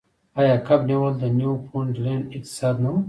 آیا کب نیول د نیوفونډلینډ اقتصاد نه و؟